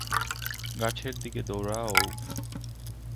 গাছের দিকে দৌড়াও!